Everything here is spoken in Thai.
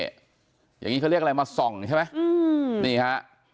อย่างนี้เขาเรียกอะไรมาส่องใช่ไหมนี่ฮะ